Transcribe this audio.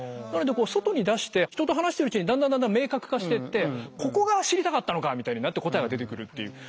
なので外に出して人と話しているうちにだんだんだんだん明確化してってここが知りたかったのかみたいになって答えが出てくるっていう。